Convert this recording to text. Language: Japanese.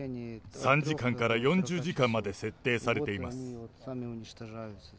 ３時間から４０時間まで設定されています。